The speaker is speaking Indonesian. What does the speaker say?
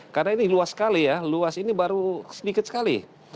karena ini luas sekali ya luas ini baru sedikit sekali